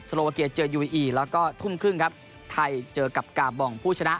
โลวาเกียเจอยูอีแล้วก็ทุ่มครึ่งครับไทยเจอกับกาบองผู้ชนะ